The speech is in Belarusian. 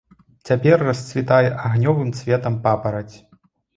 Цяпер расцвітае агнёвым цветам папараць.